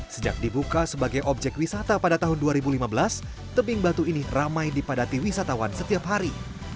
sejak dibuka sebagai objek wisata pada tahun dua ribu lima belas tebing batu ini ramai dipadati wisatawan setiap hari